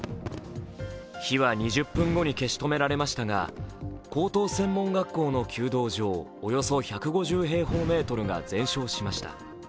火は２０分後に消し止められましたが、高等専門学校の弓道場、およそ１５０平方メートルが全焼しました。